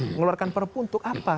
mengeluarkan perpu untuk apa